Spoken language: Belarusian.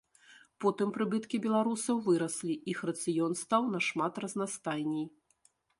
Потым прыбыткі беларусаў выраслі, іх рацыён стаў нашмат разнастайней.